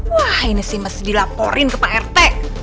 wah ini sih masih dilaporin ke prt